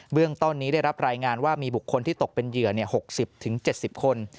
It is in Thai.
เรื่องต้นนี้ได้รับรายงานว่ามีบุคคลที่ตกเป็นเหยื่อ๖๐๗๐คน